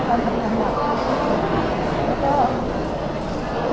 ตอนแรกยังไม่เห็นว่าจะต้องทำทีสิทธิ์